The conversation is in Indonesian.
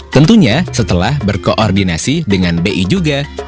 tentunya setelah berkoordinasi dengan bi juga